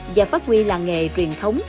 và phát huy làng nghề truyền thống